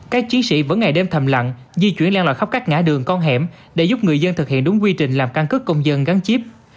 các chiến sĩ vẫn ngày đêm thầm lặng di chuyển lan lại khắp các ngã đường con hẻm để giúp người dân thực hiện đúng quy trình làm căn cứ công dân gắn chip